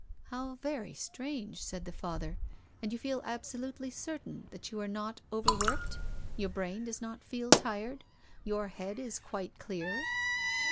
" How very strange," said the Father. " And you feel absolutely certain that you are not over worked? Your brain does not feel tired? Your head is quite clear